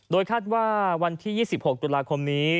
คาดว่าวันที่๒๖ตุลาคมนี้